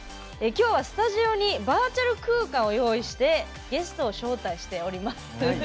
今日はスタジオにバーチャル空間を用意してゲストを招待しております。